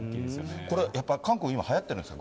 これ、やっぱり韓国で今、はやっているんですか？